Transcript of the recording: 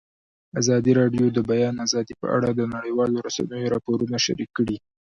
ازادي راډیو د د بیان آزادي په اړه د نړیوالو رسنیو راپورونه شریک کړي.